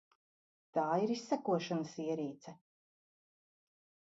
Tā ir izsekošanas ierīce.